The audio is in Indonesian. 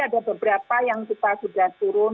ada beberapa yang kita sudah turun